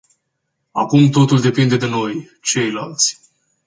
Acum totul depinde de noi, ceilalți.